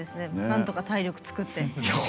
なんとか体力を作って。